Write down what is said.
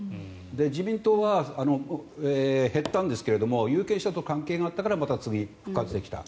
自民党は減ったんですが有権者と関係があったからまた次に復活できた。